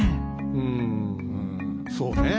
うんそうね